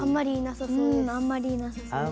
いやあんまりいなさそうです。